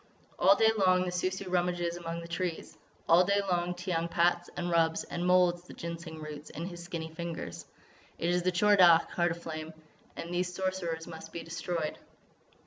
"All day long the Sou Sou rummages among the trees; all day long Tiyang pats and rubs and moulds the Ginseng roots in his skinny fingers. It is the Tchor Dagh, Heart of Flame. And these Sorcerers must be destroyed."